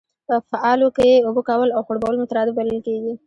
په افعالو کښي اوبه کول او خړوبول مترادف بلل کیږي.